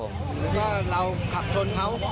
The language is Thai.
ลองทำเครื่องก้อนเราขับชนเค้า